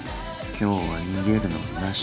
今日は逃げるのなし。